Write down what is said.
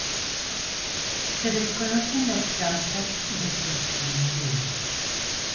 Se desconocen las causas de su extinción.